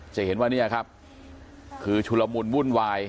จะเห็นว่าเนี่ยครับคือชุลมุนวุ่นวาย